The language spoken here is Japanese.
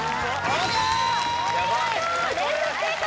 お見事連続正解